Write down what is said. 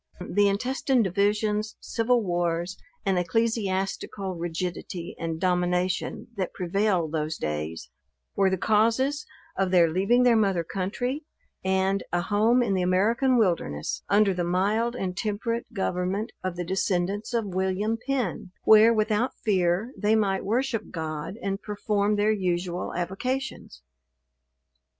The intestine divisions, civil wars, and ecclesiastical rigidity and domination that prevailed those days, were the causes of their leaving their mother country and a home in the American wilderness, under the mild and temperate government of the descendants of William Penn; where without fear they might worship God, and perform their usual avocations.